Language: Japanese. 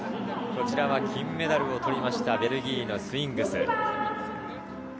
こちらは金メダルを取ったベルギーのスウィングス。